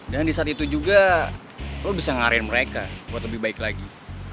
dan di saat itu juga lo bisa ngariin mereka buat lebih baik lagi